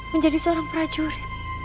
menjadi seorang prajurit